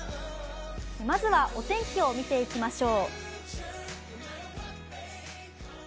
まずはお天気を見ていきましょう。